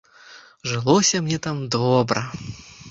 Жылося мне там добра.